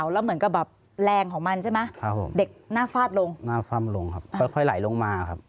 แล้วพร่ำลงไปครับ